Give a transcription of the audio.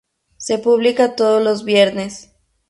Se publica todos los viernes.